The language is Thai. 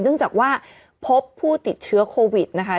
เนื่องจากว่าพบผู้ติดเชื้อโควิดนะคะ